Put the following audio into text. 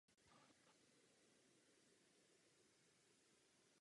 Aslan včas přivede posily a bitva skončí vítězstvím.